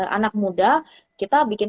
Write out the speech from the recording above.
anak muda kita bikin